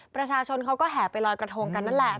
ประชาชนเขาก็แห่ไปลอยกระทงกันนั่นแหละ